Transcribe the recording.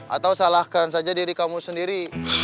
atau salahkan saja diri kamu sendiri